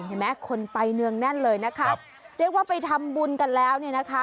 เห็นไหมคนไปเนืองแน่นเลยนะคะเรียกว่าไปทำบุญกันแล้วเนี่ยนะคะ